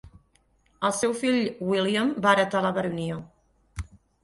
El seu fill William va heretar la baronia.